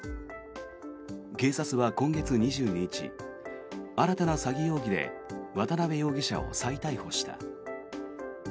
警察は今月２２日新たな詐欺容疑で渡邊容疑者を再逮捕した。